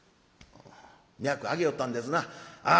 脈あげよったんですなあ